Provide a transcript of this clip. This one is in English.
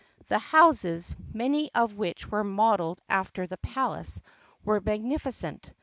The houses, many of which were modeled after the palace, were magnificent.